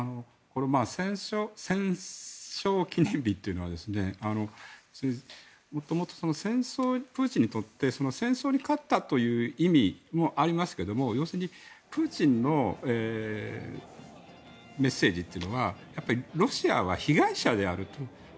戦勝記念日というのはもともと、プーチンにとって戦争に勝ったという意味もありますけれどもプーチンのメッセージというのはロシアは被害者であると。